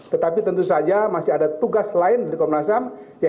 tetapi tentu saja masih ada tugas lain dari komnas ham